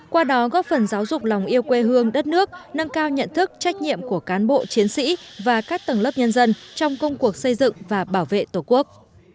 qua đó góp phần giáo dục lòng yêu quê hương đất nước nâng cao nhận thức trách nhiệm của cán bộ chiến sĩ và các tầng lớp nhân dân trong công cuộc xây dựng và bảo vệ tổ quốc